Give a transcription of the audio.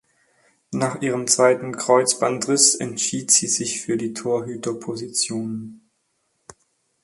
Nach ihrem zweiten Kreuzbandriss entschied sie sich für die Torhüterposition.